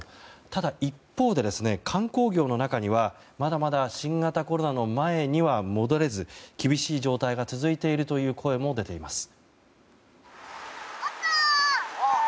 ただ一方で観光業の中にはまだまだ新型コロナの前には戻れず、厳しい状態が続いているという声も出ています。